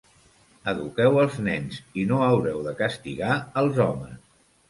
Eduqueu els nens i no haureu de castigar els homes.